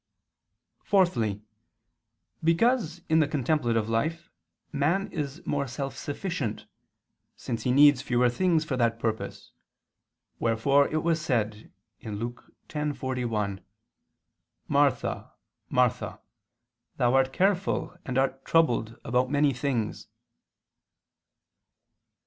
Fourthly, because in the contemplative life man is more self sufficient, since he needs fewer things for that purpose; wherefore it was said (Luke 10:41): "Martha, Martha, thou art careful and art troubled about many things."